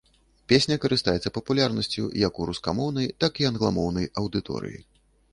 Песня карыстаецца папулярнасцю, як у рускамоўнай, так і англамоўнай аўдыторыі.